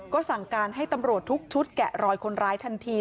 ก็สั่งการให้ตำรวจทุกชุดแกะรอยคนร้ายทันที